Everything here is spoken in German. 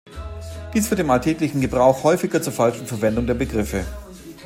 Dies führt im alltäglichen Gebrauch häufiger zur falschen Verwendung der Begriffe.